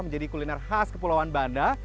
menjadi kuliner khas kepulauan banda